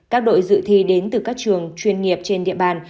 các đội dự thi đến từ các trường chuyên nghiệp trên địa bàn